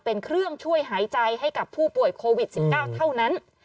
เป็นเครื่องช่วยหายใจให้กับผู้ป่วยโควิด๑๙เท่านั้น